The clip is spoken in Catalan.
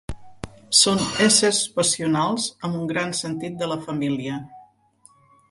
Són éssers passionals amb un gran sentit de la família.